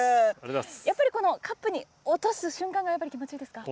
やっぱりカップに落とす瞬間が気持ちいいですか。